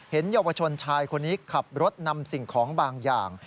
เยาวชนชายคนนี้ขับรถนำสิ่งของบางอย่าง